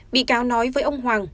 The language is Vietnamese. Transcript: bị cáo nói với ông hoàng